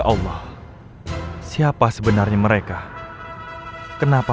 aku harus segera ke sana